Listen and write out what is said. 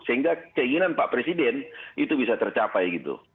sehingga keinginan pak presiden itu bisa tercapai gitu